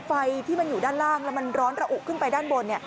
ไฟที่มันอยู่ด้านล่างแล้วมันร้อนระอุขึ้นไปด้านบน